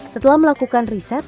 setelah melakukan riset